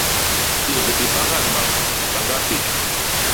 Pék i bagal mam; bañga pék.